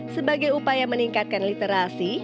sebagai upaya meningkatkan literasi